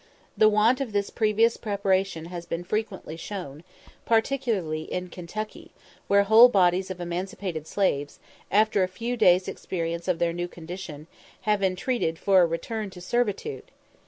The want of this previous preparation has been frequently shown, particularly in Kentucky, where whole bodies of emancipated slaves, after a few days' experience of their new condition, have entreated for a return to servitude.